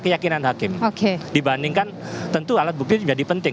keyakinan hakim dibandingkan tentu alat bukti jadi penting